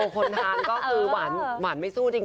คนทานก็คือหวานไม่สู้จริง